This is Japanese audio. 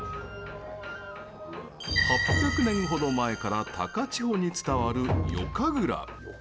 ８００年ほど前から高千穂に伝わる夜神楽。